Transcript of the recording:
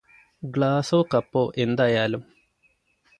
ഗ്ലാസ്സോ കപ്പോ എന്തായാലും